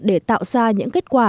để tạo ra những kết quả